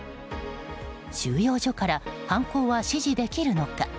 収容所から犯行は指示できるのか。